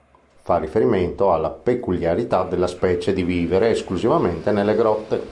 Fa riferimento alla peculiarità della specie di vivere esclusivamente nelle grotte.